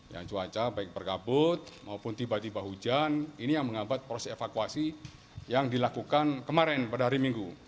yang cuaca baik berkabut maupun tiba tiba hujan ini yang menghambat proses evakuasi yang dilakukan kemarin pada hari minggu